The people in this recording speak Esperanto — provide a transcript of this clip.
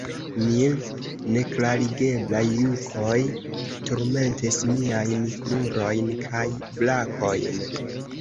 Mil neklarigeblaj jukoj turmentis miajn krurojn kaj brakojn.